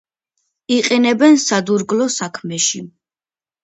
იყენებენ სადურგლო საქმეში.